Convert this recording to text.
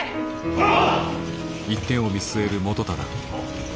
はっ！